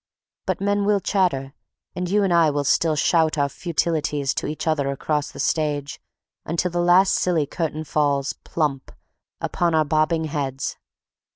But men will chatter and you and I will still shout our futilities to each other across the stage until the last silly curtain falls plump! upon our bobbing heads.